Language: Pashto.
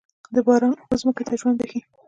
د باران اوبه ځمکې ته ژوند بښي.